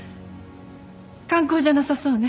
観光じゃなさそうね。